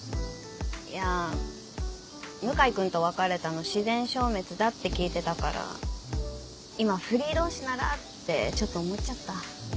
いや向井君と別れたの自然消滅だって聞いてたから今フリー同士ならってちょっと思っちゃった。